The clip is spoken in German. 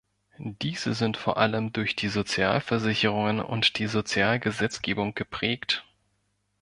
Diese sind vor allem durch die Sozialversicherungen und die Sozialgesetzgebung geprägt.